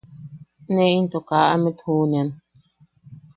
Ne into kaa amet juʼunean.